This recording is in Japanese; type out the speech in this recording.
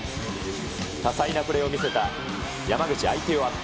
多彩なプレーを見せた山口、相手を圧倒。